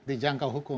di jangka hukum